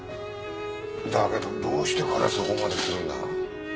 だけどどうして彼はそこまでするんだ？